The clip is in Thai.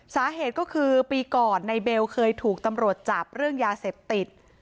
สาเหตุก็คือปีก่อนในเบลเคยถูกตำรวจจับเรื่องยาเสพติด